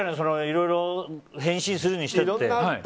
いろいろ変身するにしたって。